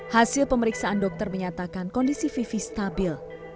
hasil pemeriksaan dokter menyatakan kondisi vivi stabil